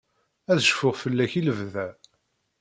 Ad cfuɣ fell-ak i lebda.